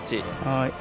はい。